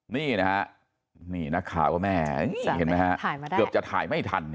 นี่นะฮะนี่นักข่าวก็แม่เห็นไหมฮะเกือบจะถ่ายไม่ทัน